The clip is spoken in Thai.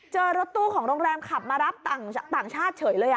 รถตู้ของโรงแรมขับมารับต่างชาติเฉยเลย